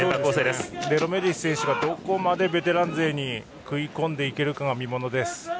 デロメディス選手がどこまでベテラン勢に食い込んでいけるかが見ものです。